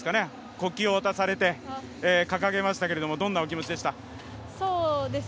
国旗を渡されて掲げましたけどどんなお気持ちでした？